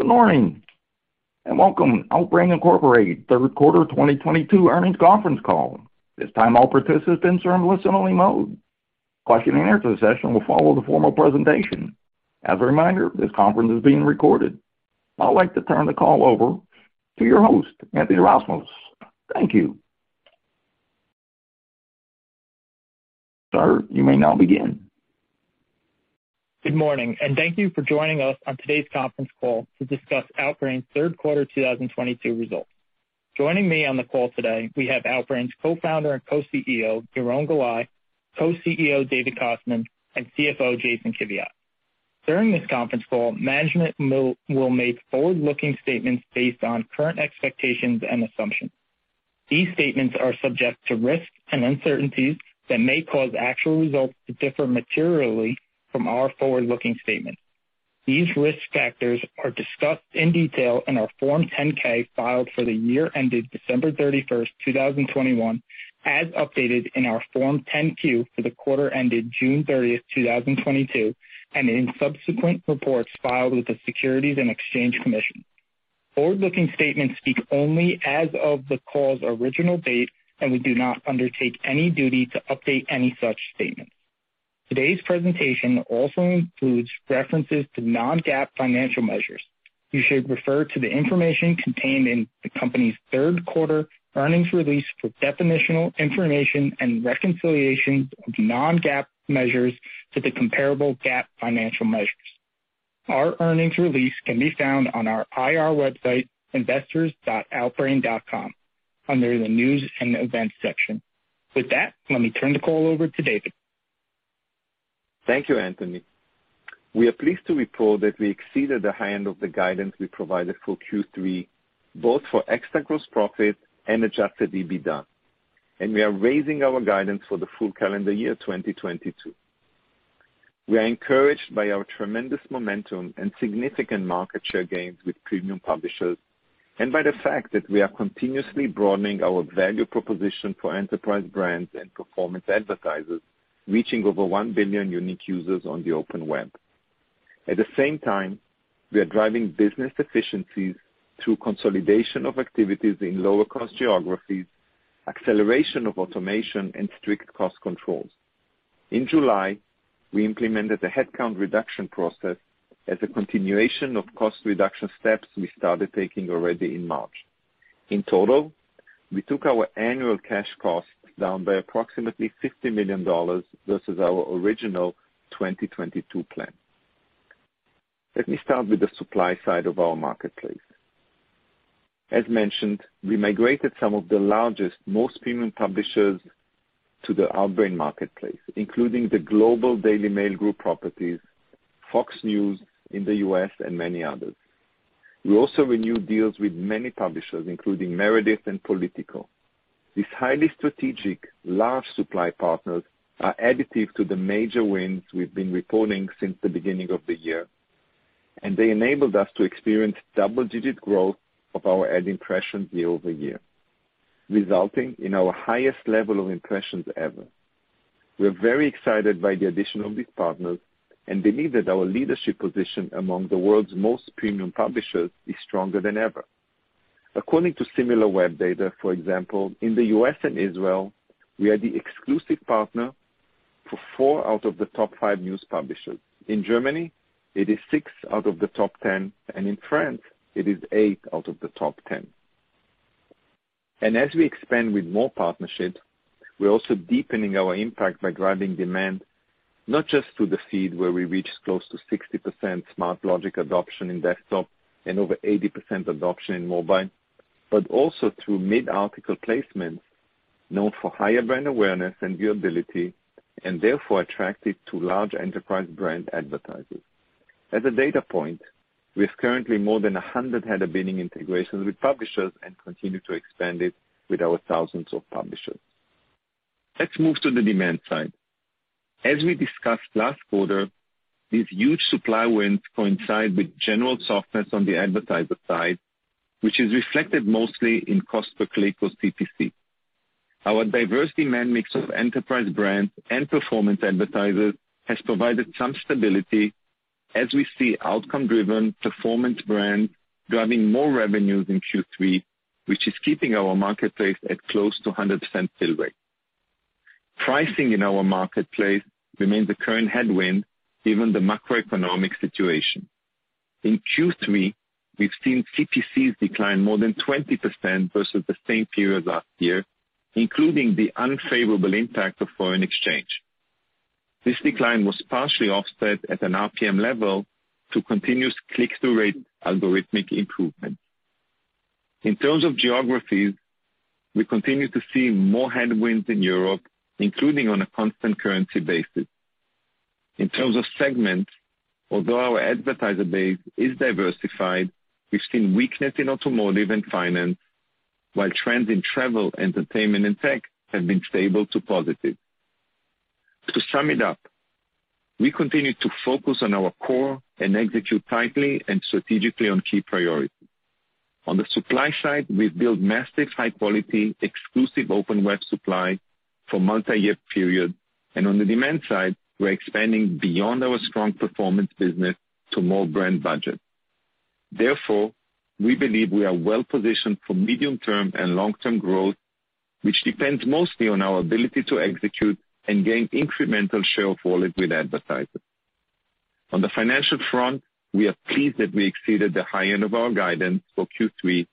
Good morning, and welcome to Outbrain Inc. Q3 2022 earnings conference call. This time all participants are in listen-only mode. Question and answer session will follow the formal presentation. As a reminder, this conference is being recorded. I'd like to turn the call over to your host, Anthony Rasmusen. Thank you. Sir, you may now begin. Good morning, and thank you for joining us on today's conference call to discuss Outbrain Q3 2022 results. Joining me on the call today, we have Outbrain's co-founder and co-CEO, Yaron Galai, co-CEO, David Kostman, and CFO, Jason Kiviat. During this conference call, management will make forward-looking statements based on current expectations and assumptions. These statements are subject to risks and uncertainties that may cause actual results to differ materially from our forward-looking statements. These risk factors are discussed in detail in our Form 10-K filed for the year ended December 31, 2021, as updated in our Form 10-Q for the quarter ended June 30, 2022, and in subsequent reports filed with the Securities and Exchange Commission. Forward-looking statements speak only as of the call's original date, and we do not undertake any duty to update any such statements. Today's presentation also includes references to non-GAAP financial measures. You should refer to the information contained in the company's Q3 earnings release for definitional information and reconciliation of non-GAAP measures to the comparable GAAP financial measures. Our earnings release can be found on our IR website, investors.outbrain.com, under the News and Events section. With that, let me turn the call over to David. Thank you, Anthony. We are pleased to report that we exceeded the high end of the guidance we provided for Q3, both for ex-TAC gross profit and Adjusted EBITDA, and we are raising our guidance for the full calendar year 2022. We are encouraged by our tremendous momentum and significant market share gains with premium publishers, and by the fact that we are continuously broadening our value proposition for enterprise brands and performance advertisers, reaching over 1 billion unique users on the open web. At the same time, we are driving business efficiencies through consolidation of activities in lower cost geographies, acceleration of automation and strict cost controls. In July, we implemented a headcount reduction process as a continuation of cost reduction steps we started taking already in March. In total, we took our annual cash costs down by approximately $50 million versus our original 2022 plan. Let me start with the supply side of our marketplace. As mentioned, we migrated some of the largest, most premium publishers to the Outbrain marketplace, including the global Daily Mail Group properties, Fox News in the U.S., and many others. We also renewed deals with many publishers, including Meredith and Politico. These highly strategic, large supply partners are additive to the major wins we've been reporting since the beginning of the year, and they enabled us to experience double-digit growth of our ad impressions year-over-year, resulting in our highest level of impressions ever. We are very excited by the addition of these partners and believe that our leadership position among the world's most premium publishers is stronger than ever. According to Similarweb data, for example, in the U.S. and Israel, we are the exclusive partner for four out of the top five news publishers. In Germany, it is 6 out of the top 10, and in France it is 8 out of the top 10. As we expand with more partnerships, we're also deepening our impact by driving demand, not just to the feed where we reach close to 60% Smartlogic adoption in desktop and over 80% adoption in mobile, but also through mid-article placements known for higher brand awareness and viewability and therefore attractive to large enterprise brand advertisers. As a data point, we have currently more than 100 header bidding integrations with publishers and continue to expand it with our thousands of publishers. Let's move to the demand side. As we discussed last quarter, these huge supply wins coincide with general softness on the advertiser side, which is reflected mostly in cost per click or CPC. Our diverse demand mix of enterprise brands and performance advertisers has provided some stability as we see outcome-driven performance brands driving more revenues in Q3, which is keeping our marketplace at close to 100% fill rate. Pricing in our marketplace remains a current headwind, given the macroeconomic situation. In Q3, we've seen CPCs decline more than 20% versus the same period last year, including the unfavorable impact of foreign exchange. This decline was partially offset at an RPM level through continuous click-through rate algorithmic improvement. In terms of geographies, we continue to see more headwinds in Europe, including on a constant currency basis. In terms of segments, although our advertiser base is diversified, we've seen weakness in automotive and finance, while trends in travel, entertainment, and tech have been stable to positive. To sum it up, we continue to focus on our core and execute tightly and strategically on key priorities. On the supply side, we've built massive high quality, exclusive open web supply for multi-year period, and on the demand side, we're expanding beyond our strong performance business to more brand budget. Therefore, we believe we are well-positioned for medium-term and long-term growth, which depends mostly on our ability to execute and gain incremental share of wallet with advertisers. On the financial front, we are pleased that we exceeded the high end of our guidance for Q3,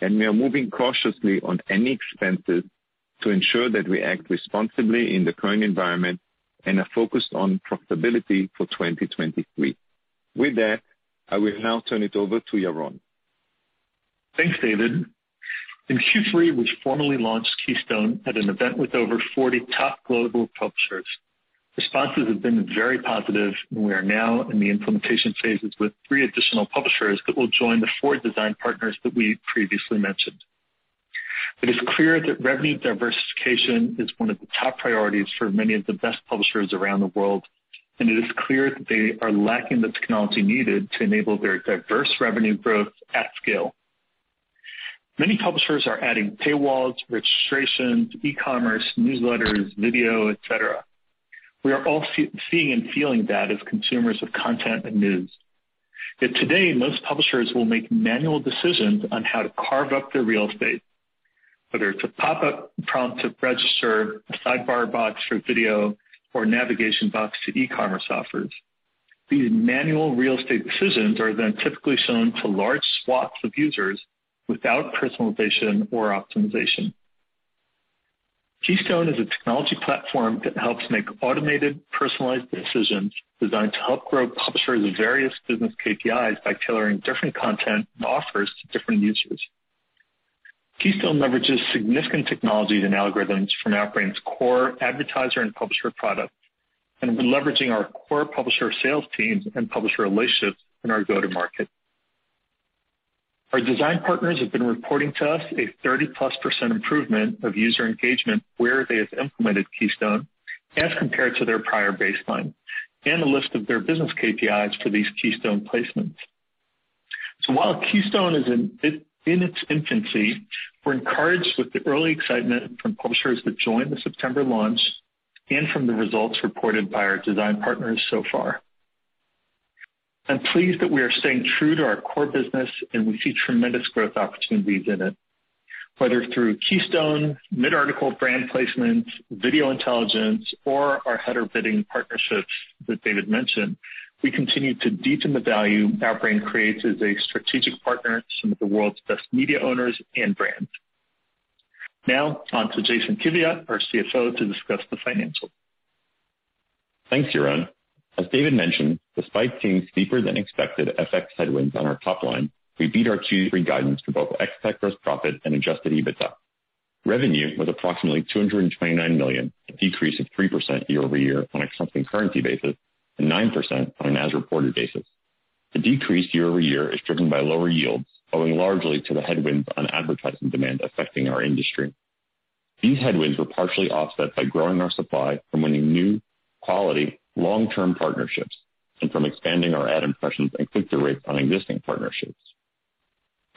and we are moving cautiously on any expenses to ensure that we act responsibly in the current environment and are focused on profitability for 2023. With that, I will now turn it over to Yaron. Thanks, David. In Q3, we formally launched Keystone at an event with over 40 top global publishers. Responses have been very positive, and we are now in the implementation phases with 3 additional publishers that will join the 4 design partners that we previously mentioned. It is clear that revenue diversification is one of the top priorities for many of the best publishers around the world, and it is clear that they are lacking the technology needed to enable their diverse revenue growth at scale. Many publishers are adding paywalls, registrations, e-commerce, newsletters, video, et cetera. We are all seeing and feeling that as consumers of content and news. Yet today, most publishers will make manual decisions on how to carve up their real estate, whether it's a pop-up prompt to register, a sidebar box for video or navigation box to e-commerce offers. These manual real estate decisions are then typically shown to large swaths of users without personalization or optimization. Keystone is a technology platform that helps make automated, personalized decisions designed to help grow publishers' various business KPIs by tailoring different content and offers to different users. Keystone leverages significant technologies and algorithms from Outbrain's core advertiser and publisher products, and we're leveraging our core publisher sales teams and publisher relationships in our go-to-market. Our design partners have been reporting to us a 30%+ improvement of user engagement where they have implemented Keystone as compared to their prior baseline and a lift in their business KPIs for these Keystone placements. While Keystone is in its infancy, we're encouraged with the early excitement from publishers that joined the September launch and from the results reported by our design partners so far. I'm pleased that we are staying true to our core business, and we see tremendous growth opportunities in it. Whether through Keystone, mid-article brand placement, Video Intelligence, or our header bidding partnerships that David mentioned, we continue to deepen the value Outbrain creates as a strategic partner to some of the world's best media owners and brands. Now on to Jason Kiviat, our CFO, to discuss the financials. Thanks, Yaron. As David mentioned, despite seeing steeper than expected FX headwinds on our top line, we beat our Q3 guidance for both Ex-TAC Gross Profit and Adjusted EBITDA. Revenue was approximately $229 million, a decrease of 3% year-over-year on a constant currency basis, and 9% on an as-reported basis. The decrease year-over-year is driven by lower yields, owing largely to the headwinds on advertising demand affecting our industry. These headwinds were partially offset by growing our supply from winning new quality long-term partnerships and from expanding our ad impressions and click-through rates on existing partnerships.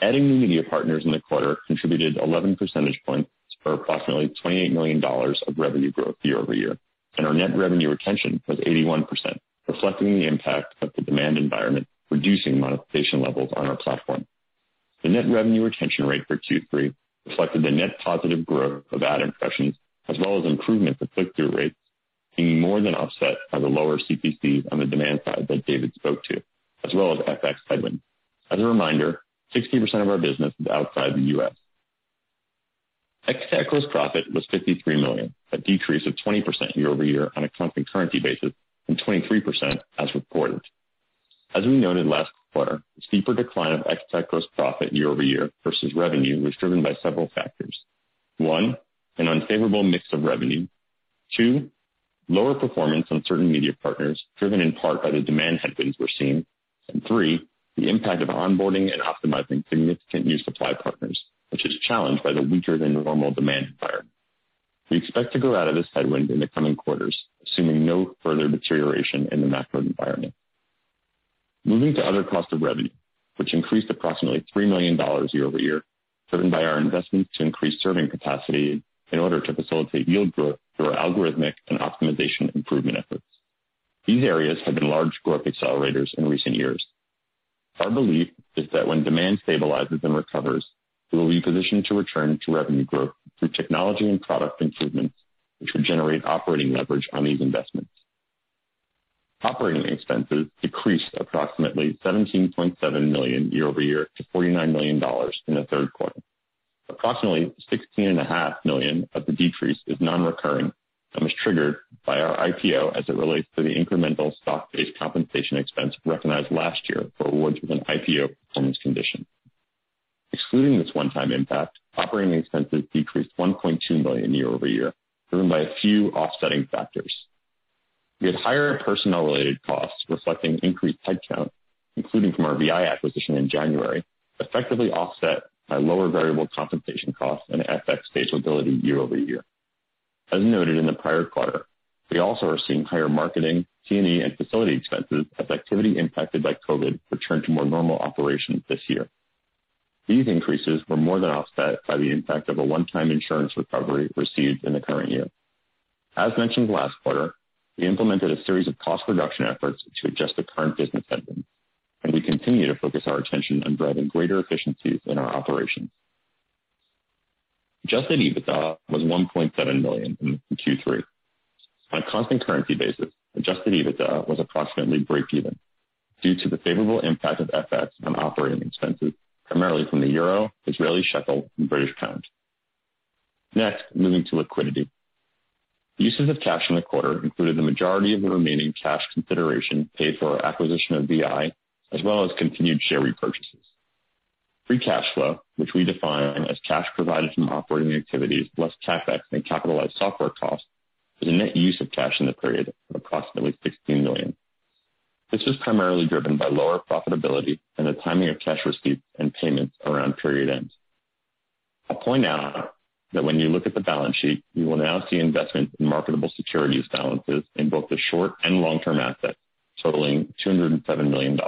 Adding new media partners in the quarter contributed 11 percentage points for approximately $28 million of revenue growth year-over-year, and our net revenue retention was 81%, reflecting the impact of the demand environment, reducing monetization levels on our platform. The net revenue retention rate for Q3 reflected the net positive growth of ad impressions as well as improvements in click-through rates being more than offset by the lower CPCs on the demand side that David spoke to, as well as FX headwinds. As a reminder, 60% of our business is outside the U.S. Ex-TAC Gross Profit was $53 million, a decrease of 20% year-over-year on a constant currency basis, and 23% as reported. As we noted last quarter, the steeper decline of Ex-TAC Gross Profit year-over-year versus revenue was driven by several factors. One, an unfavorable mix of revenue. Two, lower performance on certain media partners, driven in part by the demand headwinds we're seeing. Three, the impact of onboarding and optimizing significant new supply partners, which is challenged by the weaker than normal demand environment. We expect to go out of this headwind in the coming quarters, assuming no further deterioration in the macro environment. Moving to other costs of revenue, which increased approximately $3 million year-over-year, driven by our investments to increase serving capacity in order to facilitate yield growth through our algorithmic and optimization improvement efforts. These areas have been large growth accelerators in recent years. Our belief is that when demand stabilizes and recovers, we will be positioned to return to revenue growth through technology and product improvements, which will generate operating leverage on these investments. Operating expenses decreased approximately $17.7 million year-over-year to $49 million in the Q3. Approximately $16.5 million of the decrease is non-recurring and was triggered by our IPO as it relates to the incremental stock-based compensation expense recognized last year for awards with an IPO performance condition. Excluding this one-time impact, operating expenses decreased $1.2 million year-over-year, driven by a few offsetting factors. We had higher personnel-related costs reflecting increased headcount, including from our vi acquisition in January, effectively offset by lower variable compensation costs and FX stability year-over-year. As noted in the prior quarter, we also are seeing higher marketing, T&E, and facility expenses as activity impacted by COviD return to more normal operations this year. These increases were more than offset by the impact of a one-time insurance recovery received in the current year. As mentioned last quarter, we implemented a series of cost reduction efforts to adjust the current business engine, and we continue to focus our attention on driving greater efficiencies in our operations. Adjusted EBITDA was $1.7 million in Q3. On a constant currency basis, adjusted EBITDA was approximately break even due to the favorable impact of FX on operating expenses, primarily from the euro, Israeli shekel, and British pound. Next, moving to liquidity. The uses of cash in the quarter included the majority of the remaining cash consideration paid for our acquisition of vi, as well as continued share repurchases. Free cash flow, which we define as cash provided from operating activities less CapEx and capitalized software costs, is a net use of cash in the period of approximately $16 million. This was primarily driven by lower profitability and the timing of cash receipts and payments around period ends. I'll point out that when you look at the balance sheet, you will now see investment in marketable securities balances in both the short- and long-term assets, totaling $207 million.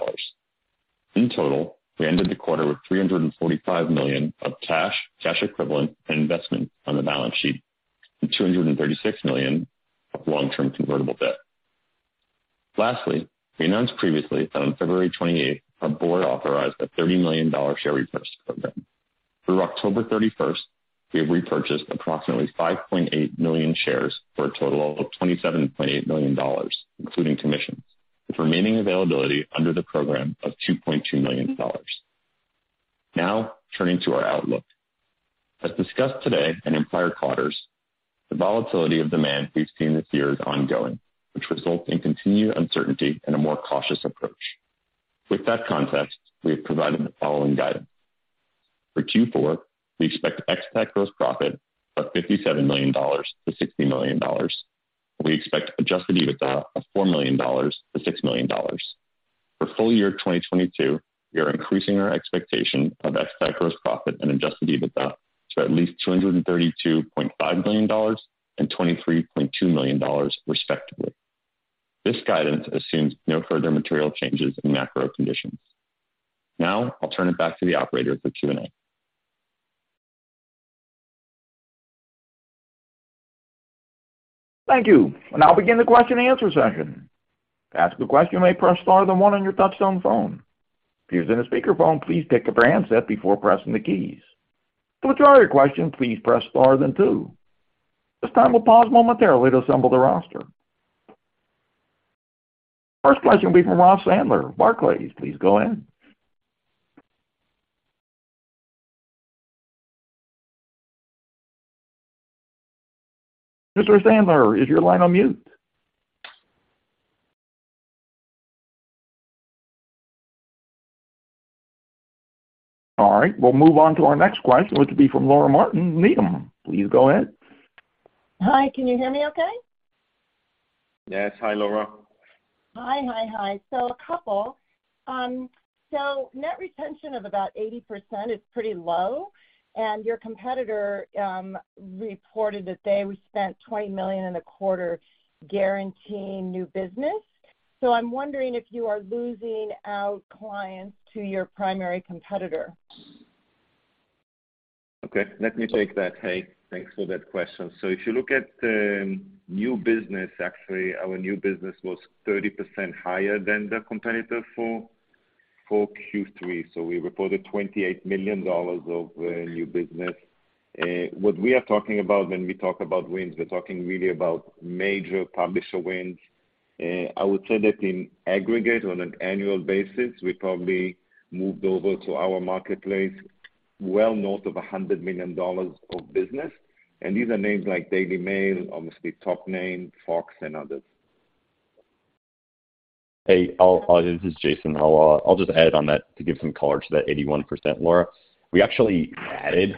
In total, we ended the quarter with $345 million of cash equivalents, and investments on the balance sheet and $236 million of long-term convertible debt. Lastly, we announced previously that on February 28, our board authorized a $30 million share repurchase program. Through October 31, we have repurchased approximately 5.8 million shares for a total of $27.8 million, including commissions, with remaining availability under the program of $2.2 million. Now turning to our outlook. As discussed today and in prior quarters, the volatility of demand we've seen this year is ongoing, which results in continued uncertainty and a more cautious approach. With that context, we have provided the following guidance. For Q4, we expect ex-TAC gross profit of $57 million-$60 million. We expect Adjusted EBITDA of $4 million-$6 million. For full year 2022, we are increasing our expectation of ex-TAC gross profit and Adjusted EBITDA to at least $232.5 million and $23.2 million, respectively. This guidance assumes no further material changes in macro conditions. Now I'll turn it back to the operator for Q&A. Thank you. We'll now begin the question and answer session. To ask a question, you may press star then one on your touchtone phone. If you're using a speakerphone, please pick up your handset before pressing the keys. To withdraw your question, please press star then two. This time we'll pause momentarily to assemble the roster. First question will be from Ross Sandler, Barclays. Please go ahead. Mr. Sandler, is your line on mute? All right, we'll move on to our next question, which will be from Laura Martin, Needham & Company. Please go ahead. Hi, can you hear me okay? Yes. Hi, Laura. Net retention of about 80% is pretty low, and your competitor reported that they spent $20 million in a quarter guaranteeing new business. I'm wondering if you are losing clients to your primary competitor. Okay, let me take that. Hey, thanks for that question. If you look at new business, actually our new business was 30% higher than the competitor for Q3. We reported $28 million of new business. What we are talking about when we talk about wins, we're talking really about major publisher wins. I would say that in aggregate, on an annual basis, we probably moved over to our marketplace well north of $100 million of business. These are names like Daily Mail, obviously top name, Fox, and others. Hey, this is Jason. I'll just add on that to give some color to that 81%, Laura. We actually added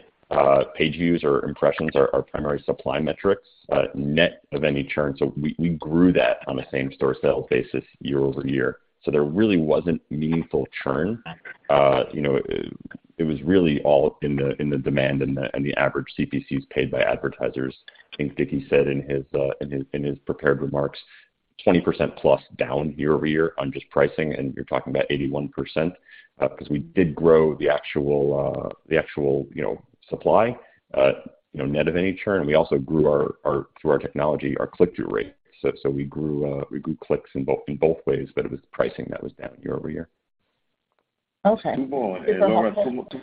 page views or impressions, our primary supply metrics, net of any churn. We grew that on a same-store sales basis year-over-year. There really wasn't meaningful churn. You know, it was really all in the demand and the average CPCs paid by advertisers. I think David said in his prepared remarks, 20%+ down year-over-year on just pricing, and you're talking about 81%, because we did grow the actual supply net of any churn. We also grew through our technology, our click-through rate. We grew clicks in both ways, but it was pricing that was down year-over-year. Okay. Two more, Laura. Two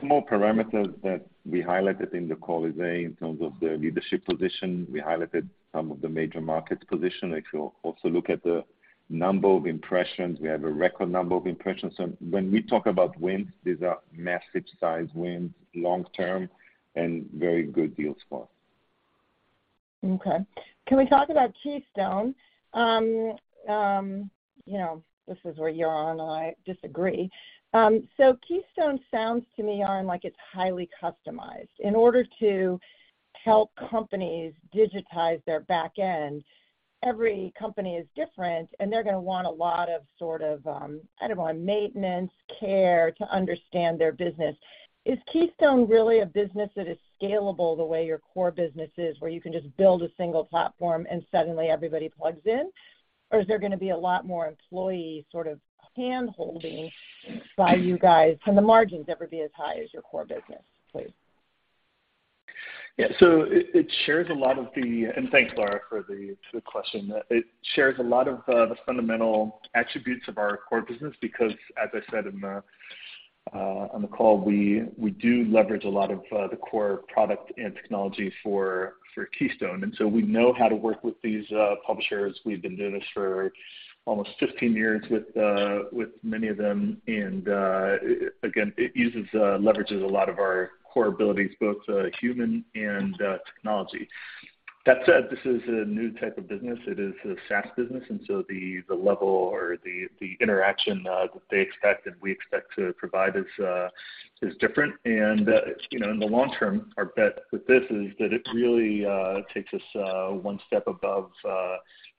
more parameters that we highlighted in the call today in terms of the leadership position. We highlighted some of the major markets position. If you also look at the number of impressions, we have a record number of impressions. When we talk about wins, these are massive size wins, long term and very good deals for us. Okay. Can we talk about Keystone? You know, this is where Yaron and I disagree. Keystone sounds to me, Yaron, like it's highly customized. In order to help companies digitize their back end Every company is different, and they're gonna want a lot of sort of, I don't know, maintenance, care to understand their business. Is Keystone really a business that is scalable the way your core business is, where you can just build a single platform and suddenly everybody plugs in? Or is there gonna be a lot more employee sort of handholding by you guys? Can the margins ever be as high as your core business, please? Yeah. It shares a lot of the fundamental attributes of our core business because, as I said on the call, we do leverage a lot of the core product and technology for Keystone. We know how to work with these publishers. We've been doing this for almost 15 years with many of them. Again, it leverages a lot of our core abilities, both human and technology. That said, this is a new type of business. It is a SaaS business, and the level or the interaction that they expect and we expect to provide is different. you know, in the long term, our bet with this is that it really takes us one step above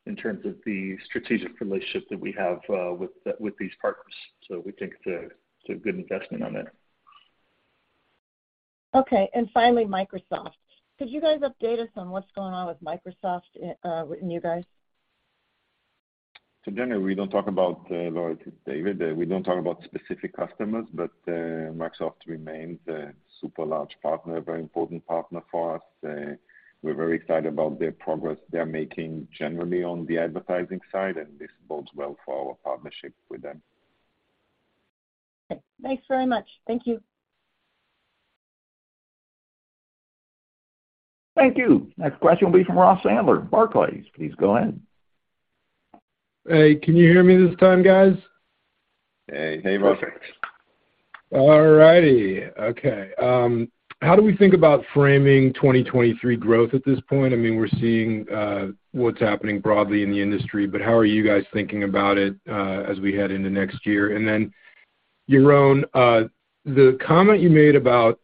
in terms of the strategic relationship that we have with the, with these partners. We think it's a, it's a good investment on it. Okay. Finally, Microsoft. Could you guys update us on what's going on with Microsoft, with you guys? Generally, we don't talk about loyalty, David. We don't talk about specific customers, but Microsoft remains a super large partner, a very important partner for us. We're very excited about their progress they're making generally on the advertising side, and this bodes well for our partnership with them. Okay. Thanks very much. Thank you. Thank you. Next question will be from Ross Sandler, Barclays. Please go ahead. Hey, can you hear me this time, guys? Hey, hey Ross. Perfect. All righty. Okay. How do we think about framing 2023 growth at this point? I mean, we're seeing what's happening broadly in the industry, but how are you guys thinking about it as we head into next year? Then, Yaron, the comment you made about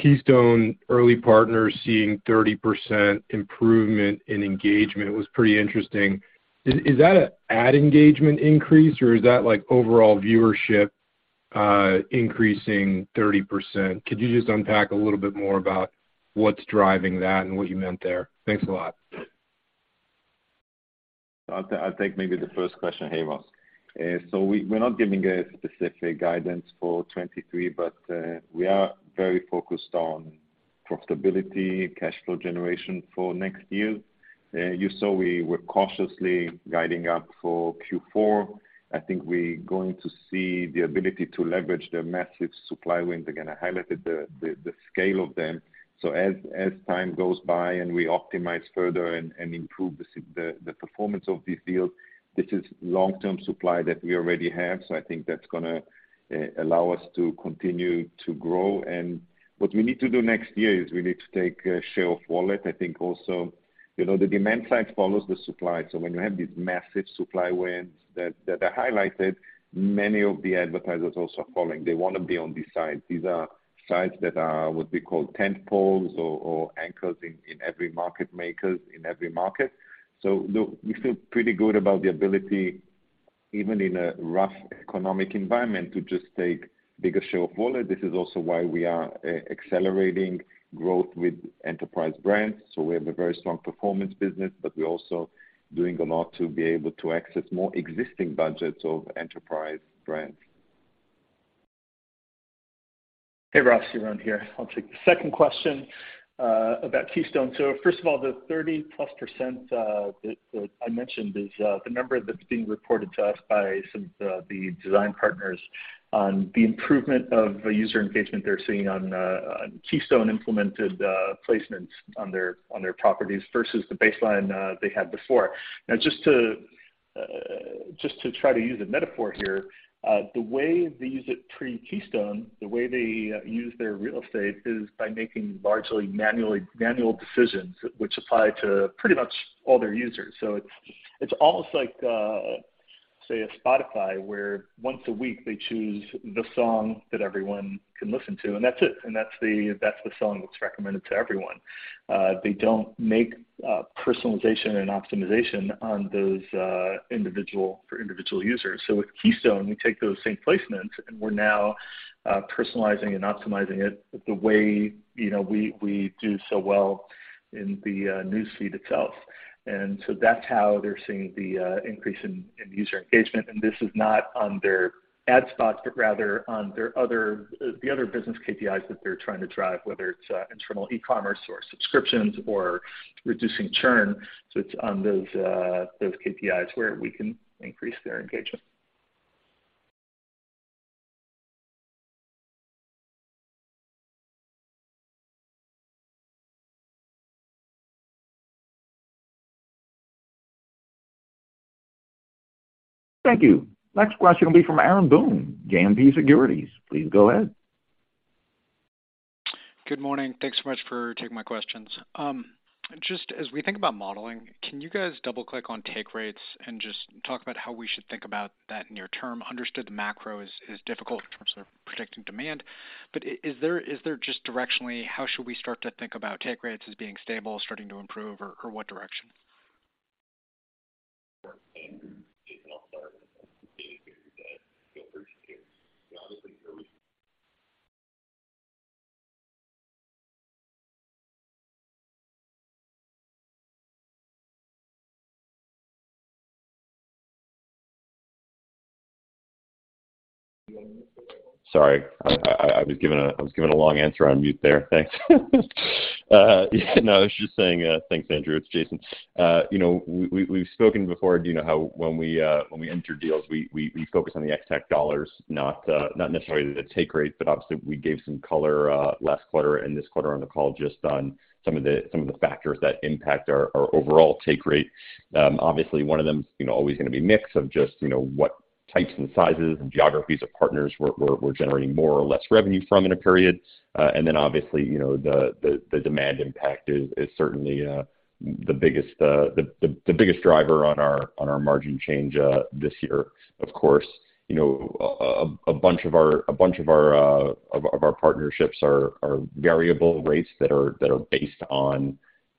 Keystone early partners seeing 30% improvement in engagement was pretty interesting. Is that an ad engagement increase, or is that, like, overall viewership increasing 30%? Could you just unpack a little bit more about what's driving that and what you meant there? Thanks a lot. I'll take maybe the first question here, Ross. So we're not giving a specific guidance for 2023, but we are very focused on profitability, cash flow generation for next year. You saw we were cautiously guiding up for Q4. I think we're going to see the ability to leverage the massive supply wins. Again, I highlighted the scale of them. So as time goes by and we optimize further and improve the performance of these deals, this is long-term supply that we already have. So I think that's gonna allow us to continue to grow. What we need to do next year is we need to take a share of wallet. I think also, you know, the demand side follows the supply. When you have these massive supply wins that are highlighted, many of the advertisers also are following. They wanna be on these sides. These are sides that are what we call tent poles or anchors in every market. Makers in every market. Look, we feel pretty good about the ability, even in a rough economic environment, to just take bigger share of wallet. This is also why we are accelerating growth with enterprise brands. We have a very strong performance business, but we're also doing a lot to be able to access more existing budgets of enterprise brands. Hey, Ross. Yaron here. I'll take the second question about Keystone. First of all, the 30%+ that I mentioned is the number that's being reported to us by some of the design partners on the improvement of the user engagement they're seeing on Keystone-implemented placements on their properties versus the baseline they had before. Now, just to try to use a metaphor here, the way they use it pre-Keystone, the way they use their real estate is by making largely manual decisions which apply to pretty much all their users. It's almost like, say a Spotify, where once a week they choose the song that everyone can listen to, and that's it, and that's the song that's recommended to everyone. They don't make personalization and optimization on those for individual users. With Keystone, we take those same placements, and we're now personalizing and optimizing it the way, you know, we do so well in the newsfeed itself. That's how they're seeing the increase in user engagement. This is not on their ad spots, but rather on their other business KPIs that they're trying to drive, whether it's internal e-commerce or subscriptions or reducing churn. It's on those KPIs where we can increase their engagement. Thank you. Next question will be from Ygal Arounian, GMP Securities. Please go ahead. Good morning. Thanks so much for taking my questions. Just as we think about modeling, can you guys double-click on take rates and just talk about how we should think about that near term? Understood the macro is difficult in terms of predicting demand, but is there just directionally, how should we start to think about take rates as being stable, starting to improve or what direction? Sorry, I was giving a long answer on mute there. Thanks. No, I was just saying, thanks, Ygal. It's Jason. You know, we've spoken before. Do you know how when we enter deals, we focus on the ex-TAC dollars, not necessarily the take rate, but obviously we gave some color last quarter and this quarter on the call just on some of the factors that impact our overall take rate. Obviously one of them, you know, always gonna be mix of just, you know, what types and sizes and geographies of partners we're generating more or less revenue from in a period. Obviously, you know, the demand impact is certainly the biggest driver on our margin change this year. Of course, you know, a bunch of our partnerships are variable rates that are based on, you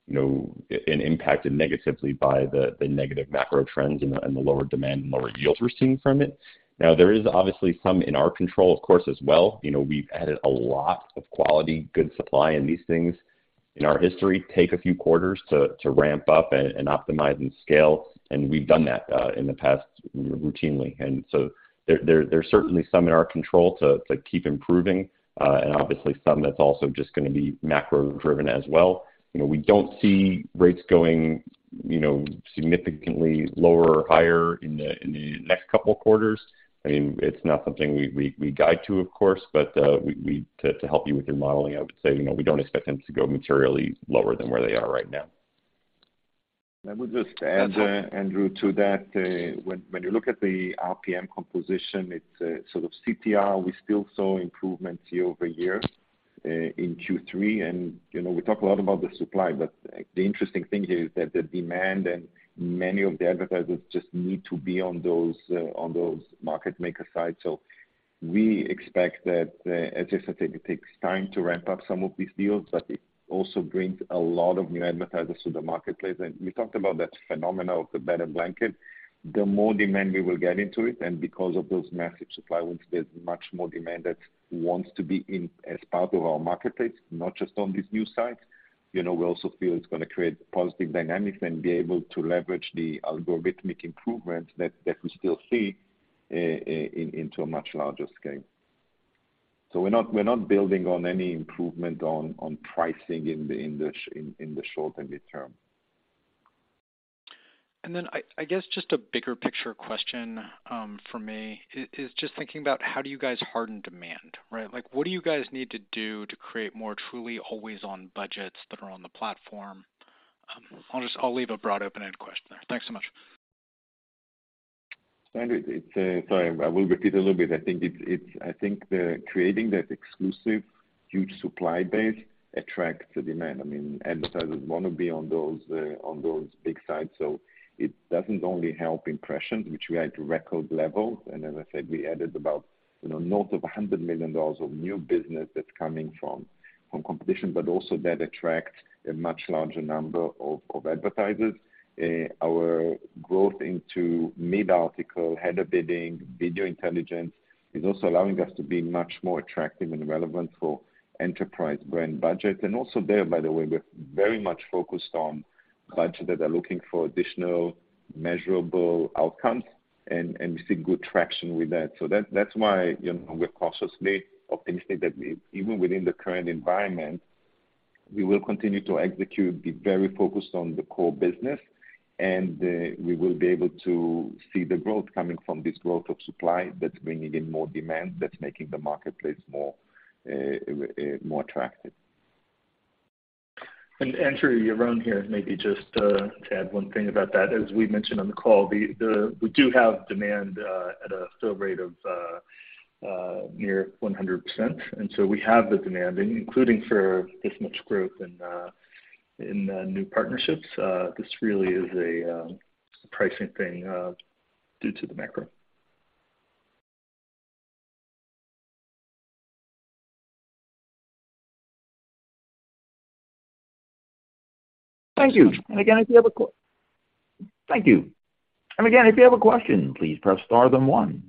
know, and impacted negatively by the negative macro trends and the lower demand and lower yields we're seeing from it. Now, there is obviously some in our control, of course, as well. You know, we've added a lot of quality, good supply in these things. In our history, take a few quarters to ramp up and optimize and scale, and we've done that in the past routinely. There's certainly some in our control to keep improving, and obviously some that's also just gonna be macro-driven as well. You know, we don't see rates going, you know, significantly lower or higher in the next couple of quarters. I mean, it's not something we guide to, of course, but to help you with your modeling, I would say, you know, we don't expect them to go materially lower than where they are right now. Let me just add, Ygal, to that. When you look at the RPM composition, it's sort of CTR, we still saw improvements year-over-year in Q3. You know, we talk a lot about the supply, but the interesting thing is that the demand and many of the advertisers just need to be on those market maker sites. We expect that, as I said, it takes time to ramp up some of these deals, but it also brings a lot of new advertisers to the marketplace. We talked about that phenomenon of the better blanket. The more demand we will get into it, and because of those massive supply wins, there's much more demand that wants to be in as part of our marketplace, not just on these new sites. You know, we also feel it's gonna create positive dynamics and be able to leverage the algorithmic improvements that we still see into a much larger scale. We're not building on any improvement on pricing in the short and midterm. I guess just a bigger picture question for me is just thinking about how do you guys harden demand, right? Like, what do you guys need to do to create more truly always-on budgets that are on the platform? I'll just leave a broad open-end question there. Thanks so much. Sorry, I will repeat a little bit. I think it's the creating that exclusive huge supply base attracts the demand. I mean, advertisers wanna be on those big sites. So it doesn't only help impression, which we had record level, and as I said, we added about, you know, north of $100 million of new business that's coming from competition, but also that attracts a much larger number of advertisers. Our growth into mid-article, header bidding, Video Intelligence is also allowing us to be much more attractive and relevant for enterprise brand budget. And also there, by the way, we're very much focused on budget that are looking for additional measurable outcomes, and we see good traction with that. That's why, you know, we're cautiously optimistic that even within the current environment, we will continue to execute, be very focused on the core business, and we will be able to see the growth coming from this growth of supply that's bringing in more demand, that's making the marketplace more attractive. Ygal Arounian, Yaron here. Maybe just to add one thing about that. As we mentioned on the call, we do have demand at a fill rate of near 100%. We have the demand, including for this much growth in new partnerships. This really is a pricing thing due to the macro. Thank you. Again, if you have a question, please press star then one.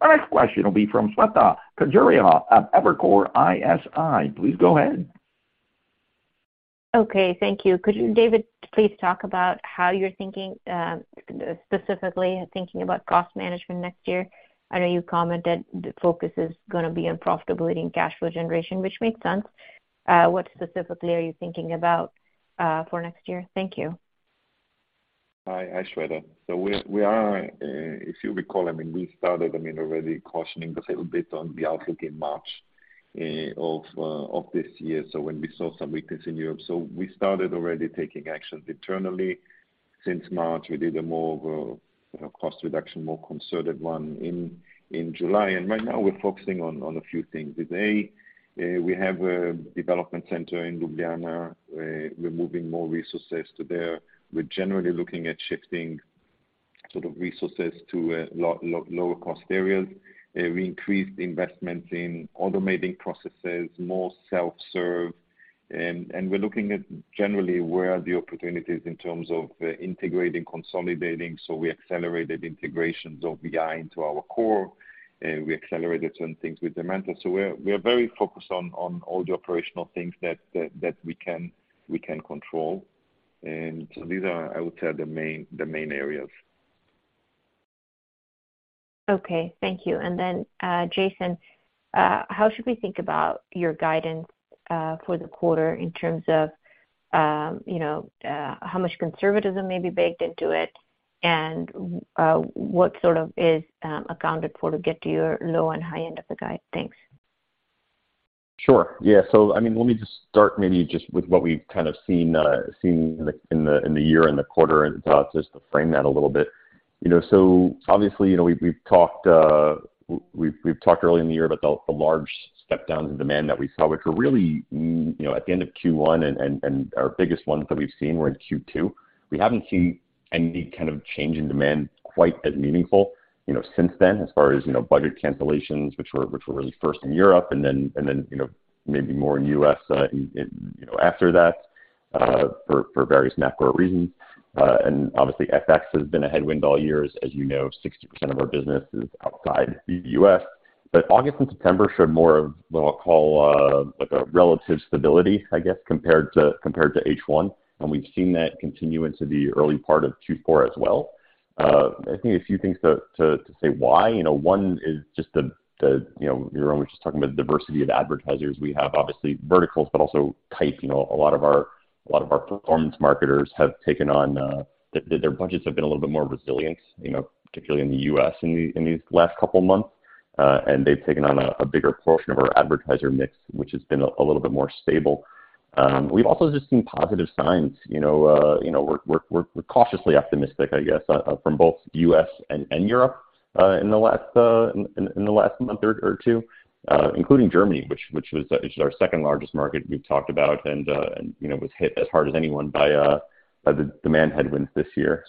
Our next question will be from Shweta Khajuria at Evercore ISI. Please go ahead. Okay, thank you. Could you, David, please talk about how you're thinking, specifically thinking about cost management next year? I know you commented the focus is gonna be on profitability and cash flow generation, which makes sense. What specifically are you thinking about for next year? Thank you. Hi. Hi, Shweta. If you recall, I mean, we started, I mean, already cautioning a little bit on the outlook in March of this year, so when we saw some weakness in Europe. We started already taking actions internally. Since March, we did more of a, you know, cost reduction, more concerted one in July. Right now we're focusing on a few things. Today, we have a development center in Ljubljana. We're moving more resources there. We're generally looking at shifting sort of resources to lower cost areas. We increased investment in automating processes, more self-serve. We're looking at generally where are the opportunities in terms of integrating, consolidating, so we accelerated integrations of BI into our core, and we accelerated certain things with Zemanta. We are very focused on all the operational things that we can control. These are, I would say, the main areas. Okay. Thank you. Jason, how should we think about your guidance for the quarter in terms of you know how much conservatism may be baked into it, and what sort of is accounted for to get to your low and high end of the guide? Thanks. Sure. Yeah. I mean, let me just start maybe just with what we've kind of seen in the year and the quarter and just to frame that a little bit. You know, obviously, you know, we've talked earlier in the year about the large step downs in demand that we saw, which were really, you know, at the end of Q1 and our biggest ones that we've seen were in Q2. We haven't seen any kind of change in demand quite as meaningful, you know, since then, as far as, you know, budget cancellations, which were really first in Europe and then, you know, maybe more in U.S. after that for various macro reasons. And obviously, FX has been a headwind all years. As you know, 60% of our business is outside the U.S. August and September showed more of what I'll call, like a relative stability, I guess, compared to H1, and we've seen that continue into the early part of Q4 as well. I think a few things to say why. You know, one is just the, you know, Yaron was just talking about diversity of advertisers. We have obviously verticals but also type. You know, a lot of our performance marketers have taken on, their budgets have been a little bit more resilient, you know, particularly in the U.S. in these last couple months, and they've taken on a bigger portion of our advertiser mix, which has been a little bit more stable. We've also just seen positive signs. You know, we're cautiously optimistic, I guess, from both U.S. and Europe, in the last month or two, including Germany, which is our second-largest market we've talked about and, you know, was hit as hard as anyone by the demand headwinds this year.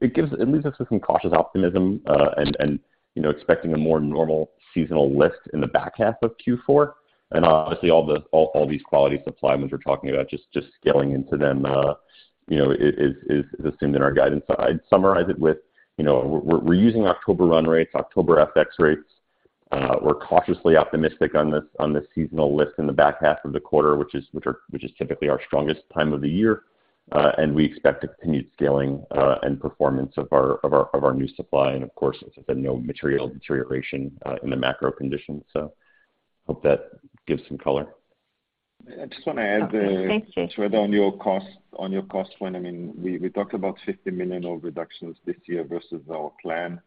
It gives at least some cautious optimism, and, you know, expecting a more normal seasonal lift in the back half of Q4. Obviously all these quality supply wins we're talking about, just scaling into them, you know, is assumed in our guidance. I'd summarize it with, you know, we're using October run rates, October FX rates. We're cautiously optimistic on this seasonal lift in the back half of the quarter, which is typically our strongest time of the year. We expect continued scaling and performance of our new supply and of course, as I said, no material deterioration in the macro conditions. Hope that gives some color. I just wanna add. Okay. Thanks, Jason. Shweta, on your cost front, I mean, we talked about 50 million of reductions this year versus our plan.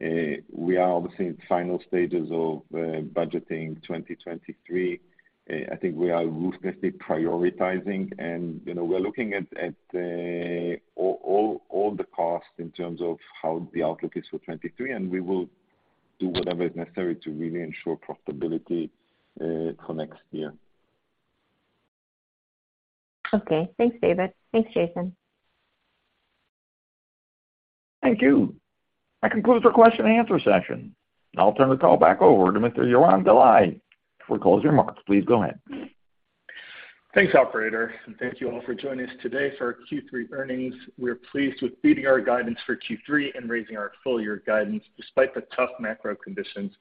We are obviously in final stages of budgeting 2023. I think we are ruthlessly prioritizing and we're looking at all the costs in terms of how the outlook is for 2023, and we will do whatever is necessary to really ensure profitability for next year. Okay. Thanks, David. Thanks, Jason. Thank you. That concludes our question and answer session. I'll turn the call back over to Mr. Yaron Galai for closing remarks. Please go ahead. Thanks, operator, and thank you all for joining us today for our Q3 earnings. We're pleased with beating our guidance for Q3 and raising our full year guidance despite the tough macro conditions.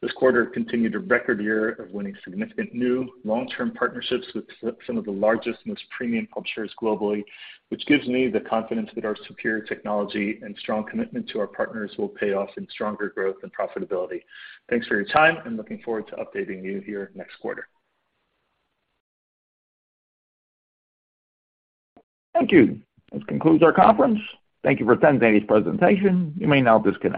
This quarter continued a record year of winning significant new long-term partnerships with some of the largest, most premium publishers globally, which gives me the confidence that our superior technology and strong commitment to our partners will pay off in stronger growth and profitability. Thanks for your time, and looking forward to updating you here next quarter. Thank you. This concludes our conference. Thank you for attending today's presentation. You may now disconnect.